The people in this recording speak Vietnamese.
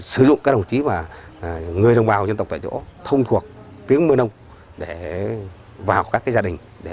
sử dụng các đồng chí và người đồng bào dân tộc tại chỗ thông thuộc tiếng mơ nông để vào các gia đình